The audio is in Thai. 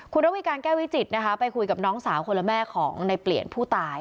คุณระวิการแก้วิจิตรนะคะไปคุยกับน้องสาวคนละแม่ของในเปลี่ยนผู้ตาย